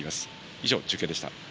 以上、中継でした。